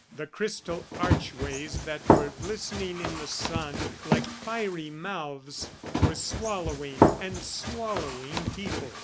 The crystal archways that were glistening in the sun like fiery mouths were swallowing and swallowing people.